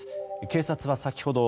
警察は先ほど